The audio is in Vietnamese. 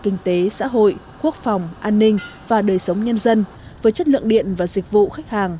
kinh tế xã hội quốc phòng an ninh và đời sống nhân dân với chất lượng điện và dịch vụ khách hàng